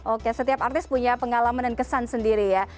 oke setiap artis punya pengalaman dan kesan sendiri ya